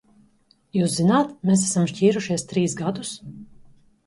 Jūs zināt, mēs esam šķīrušies trīs gadus?